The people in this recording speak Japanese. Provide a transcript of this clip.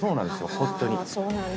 本当に。